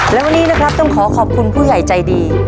และวันนี้นะครับต้องขอขอบคุณผู้ใหญ่ใจดี